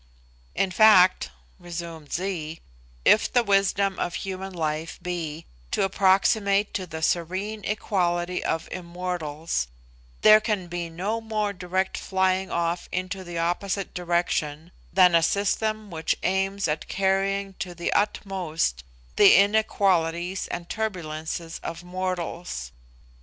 '" "In fact," resumed Zee, "if the wisdom of human life be to approximate to the serene equality of immortals, there can be no more direct flying off into the opposite direction than a system which aims at carrying to the utmost the inequalities and turbulences of mortals.